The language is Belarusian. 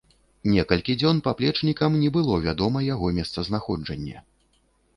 Некалькі дзён паплечнікам не было вядома яго месцазнаходжанне.